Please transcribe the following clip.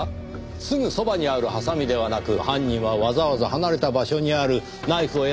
すぐそばにあるハサミではなく犯人はわざわざ離れた場所にあるナイフを選んで使った。